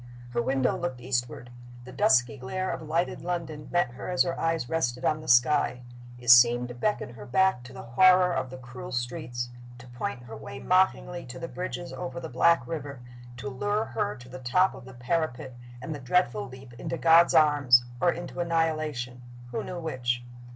Her window looked eastward. The dusky glare of lighted London met her as her eyes rested on the sky. It seemed to beckon her back to the horror of the cruel streets to point her way mockingly to the bridges over the black river to lure her to the top of the parapet, and the dreadful leap into God's arms, or into annihilation who knew which?